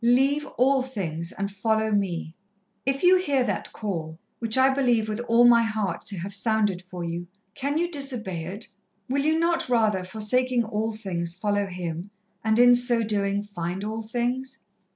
'Leave all things and follow Me!' If you hear that call, which I believe with all my heart to have sounded for you, can you disobey it? Will you not rather, forsaking all things, follow Him, and in so doing, find all things?"